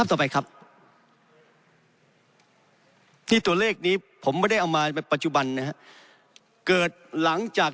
ที่ตัวเลขนี้ผมไม่ได้เอามาเป็นปัจจุบันนะฮะเกิดหลังจาก